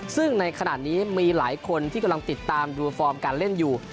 ซึ่งในขณะนี้มีหลายคนที่กำลังติดตามดูฟอร์มการเล่นอยู่